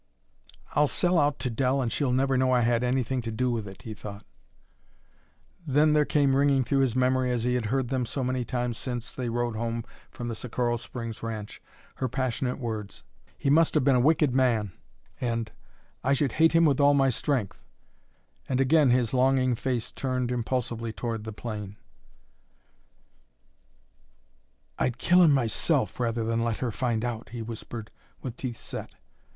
"I'll sell out to Dell and she'll never know I've had anything to do with it," he thought. Then there came ringing through his memory, as he had heard them so many times since they rode home from the Socorro Springs ranch, her passionate words, "He must have been a wicked man," and "I should hate him, with all my strength," and again his longing face turned impulsively toward the plain. "I'd kill him myself, rather than let her find out," he whispered, with teeth set.